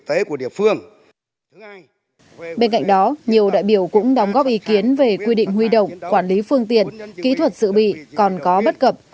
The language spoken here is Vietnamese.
bên cạnh đó nhiều đại biểu cũng đóng góp ý kiến về quy định huy động quản lý phương tiện kỹ thuật dự bị còn có bất cập